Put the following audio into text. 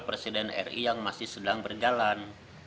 presiden ri yang masih sedang berjalan